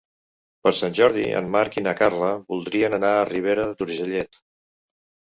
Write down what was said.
Per Sant Jordi en Marc i na Carla voldrien anar a Ribera d'Urgellet.